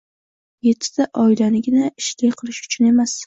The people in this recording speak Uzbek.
yetti ta oilanigina ishli qilish uchun emas